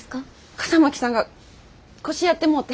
笠巻さんが腰やってもうて。